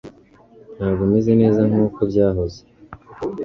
Ntabwo meze neza nkuko byahoze